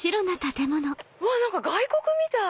何か外国みたい。